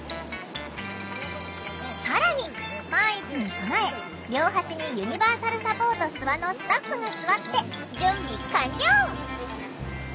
更に万一に備え両端に「ユニバーサルサポートすわ」のスタッフが座って準備完了！